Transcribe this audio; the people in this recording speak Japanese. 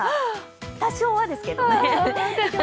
多少はですけどね。